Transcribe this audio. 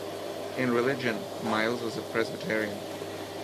In religion, Myles was a Presbyterian.